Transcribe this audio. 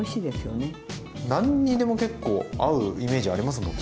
何にでも結構合うイメージありますもんね。